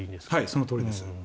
そのとおりです。